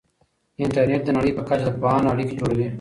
انټرنیټ د نړۍ په کچه د پوهانو اړیکې جوړوي.